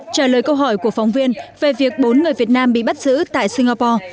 trả lời câu hỏi của phóng viên về việc bốn người việt nam bị bắt giữ tại singapore